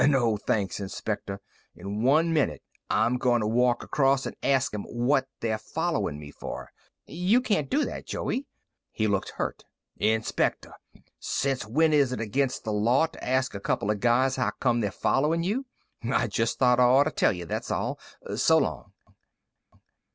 No, thanks, Inspector. In one minute, I'm going to walk across and ask 'em what they're following me for." "You can't do that, Joey!" He looked hurt. "Inspector, since when it is against the law to ask a couple of guys how come they're following you? I just thought I oughta tell ya, that's all. So long."